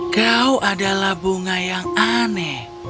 kau adalah bunga yang aneh